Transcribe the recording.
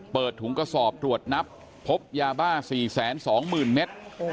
เปิดถุงกระสอบถวดนับพบยาบ้าน๔๒๐๐๐๐เมตร